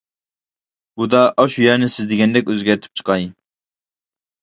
بۇدا ئاشۇ يەرنى سىز دېگەندەك ئۆزگەرتىپ چىقاي.